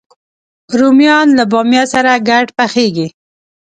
رومیان له بامیه سره ګډ پخېږي